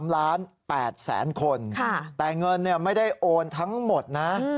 ๓ล้าน๘แสนคนแต่เงินไม่ได้โอนทั้งหมดนะ